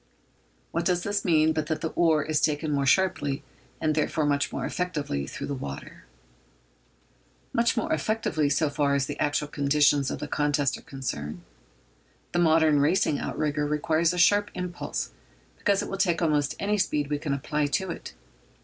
What does this mean but that the oar is taken more sharply, and, therefore, much more effectively, through the water? Much more effectively so far as the actual conditions of the contest are concerned. The modern racing outrigger requires a sharp impulse, because it will take almost any speed we can apply to it.